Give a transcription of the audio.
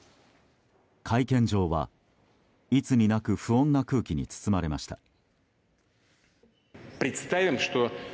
会見場はいつになく不穏な空気に包まれました。